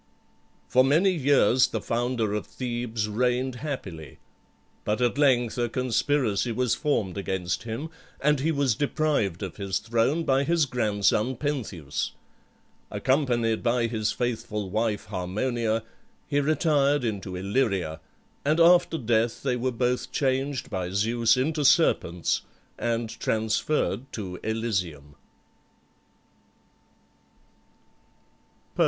For many years the founder of Thebes reigned happily, but at length a conspiracy was formed against him, and he was deprived of his throne by his grandson Pentheus. Accompanied by his faithful wife Harmonia, he retired into Illyria, and after death they were both changed by Zeus into serpents, and transferred to Elysium.